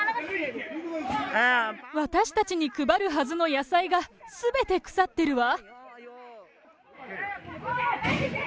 私たちに配るはずの野菜がすべて腐ってるわ。